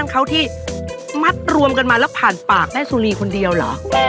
เหมือนส่างเขาที่หมัดรวมกันมาแล้วผ่านปากได้สูญีคนเดียวเหรอ